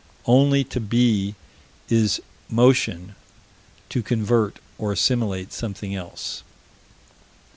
Only to be is motion to convert or assimilate something else.